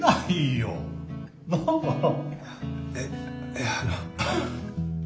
いやあの。